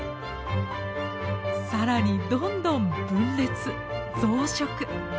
更にどんどん分裂増殖。